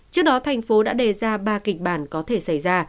trước đó thành phố đã đề ra ba kịch bản có thể xảy ra